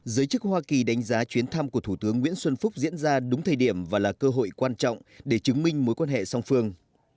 giới chức hoa kỳ đánh giá chuyến thăm của thủ tướng nguyễn xuân phúc diễn ra đúng thời điểm và là cơ hội quan trọng để chứng minh mối quan hệ song phương